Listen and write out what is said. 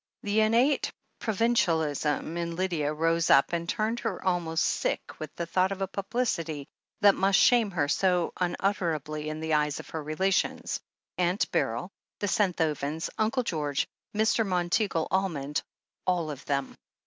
The innate provincialism in Lydia rose up and turned her almost sick with the thought of a publicity that must shame her so unutterably in the eyes of her rela tions — ^Aunt Beryl, the Senthovens, Uncle George, Mr. Monteagle Almond — ^all of them.